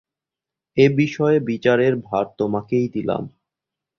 এ বিষয়ে বিচারের ভার তোমাকেই দিলাম।